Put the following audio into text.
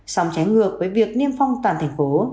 song trái ngược với việc niêm phong toàn thành phố